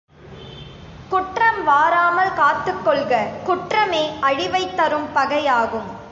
குற்றம் வாராமல் காத்துக்கொள்க குற்றமே அழிவைத் தரும் பகையாகும்.